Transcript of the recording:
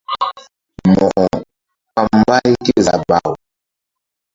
Mo̧ko ɓa mbay kézabaw.